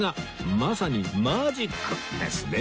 まさにマジックですね